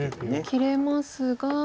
切れますが。